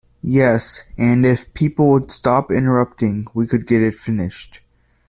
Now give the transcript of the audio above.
Yes, and if people would stop interrupting we could get it finished.